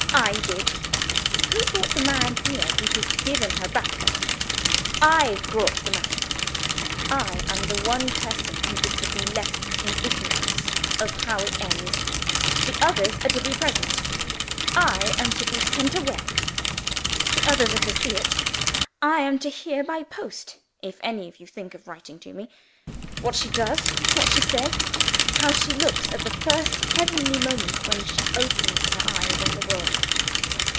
I did! Who brought the man here who has given her back her sight? I brought the man! And I am the one person who is to be left in ignorance of how it ends. The others are to be present: I am to be sent away. The others are to see it: I am to hear by post (if any of you think of writing to me) what she does, what she says, how she looks, at the first heavenly moment when she opens her eyes on the world."